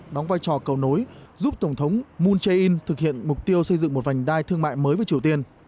đóng vai trò cầu nối giúp tổng thống moon jae in thực hiện mục tiêu xây dựng một vành đai thương mại mới với triều tiên